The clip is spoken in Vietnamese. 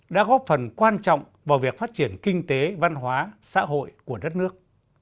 đã góp phần quan trọng vào việc phát triển kinh tế văn hóa xã hội của đất nước